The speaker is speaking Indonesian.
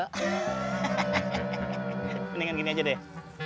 mendingan gini aja deh